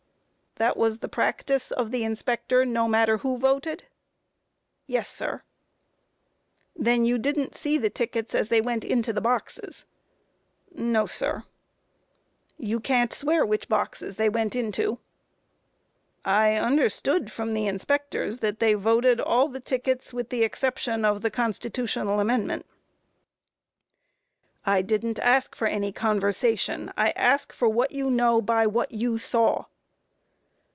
Q. That was the practice of the inspector, no matter who voted? A. Yes, sir. Q. Then you didn't see the tickets as they went into the boxes? A. No, sir. Q. You can't swear which boxes they went into? A. I understood from the inspectors that they voted all the tickets with the exception of the Constitutional Amendment. Q. I don't ask for any conversation; I ask for what you know by what you saw.